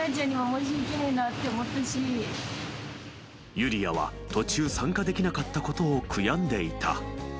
［ユリアは途中参加できなかったことを悔やんでいた］